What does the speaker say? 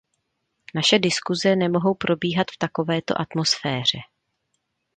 Naše diskuze nemohou probíhat v takovéto atmosféře.